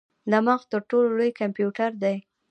دماغ تر ټولو لوی کمپیوټر دی.